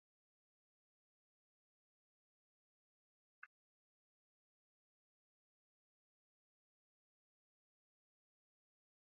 Apude sakristio estas videbla.